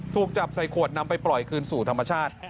ถูกจับใส่ขวดนำไปปล่อยคืนสู่ธรรมชาติ